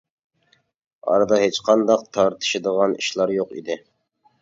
ئارىدا ھېچقانداق تارتىشىدىغان ئىشلار يوق ئىدى.